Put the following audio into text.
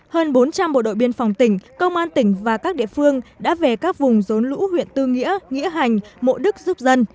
hơn bốn trăm linh bộ đội biên phòng tỉnh công an tỉnh và các địa phương đã về các vùng rốn lũ huyện tư nghĩa nghĩa hành mộ đức giúp dân